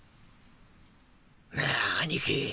なあ兄貴